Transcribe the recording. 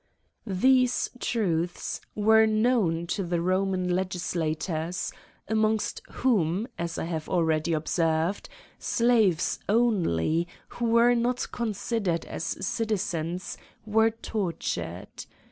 These truths were known to the Roman legis lators, amongst whom, as I have already observed, slaves only, who were not considered as citizens, were tortured.